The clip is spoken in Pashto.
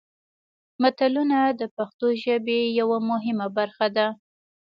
متلونه د پښتو ژبې یوه مهمه برخه ده